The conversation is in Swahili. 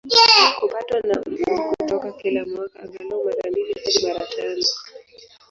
Kupatwa kwa Mwezi hutokea kila mwaka, angalau mara mbili hadi mara tano.